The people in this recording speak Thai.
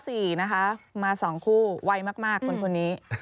ส่วน๔๙๔นะคะมา๒คู่ไวมากคนนี้